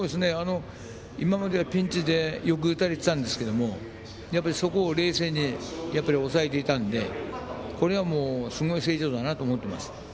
今まではピンチでよく打たれていたんですけどそこを冷静に抑えていたのでこれはすごい成長だなと思っています。